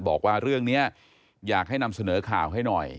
บอกว่าเรื่องนี้อยากให้นำเสนอข่าวให้หน่อย